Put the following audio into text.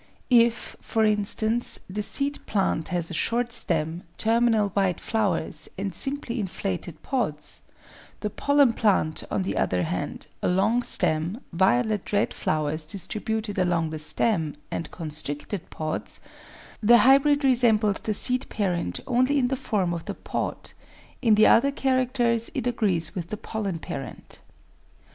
If, for instance, the seed plant has a short stem, terminal white flowers, and simply inflated pods; the pollen plant, on the other hand, a long stem, violet red flowers distributed along the stem, and constricted pods; the hybrid resembles the seed parent only in the form of the pod ; in the other characters it agrees with the pollen parent.